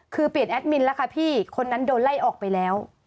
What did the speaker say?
คือเปลี่ยนแอดมินแล้วค่ะพี่คนนั้นโดนไล่ออกไปแล้ว